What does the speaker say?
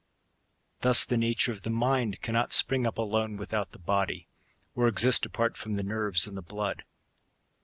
Thus the nature of the mind cannot spring up alone without the body, or exist apart from the nerves and the blood.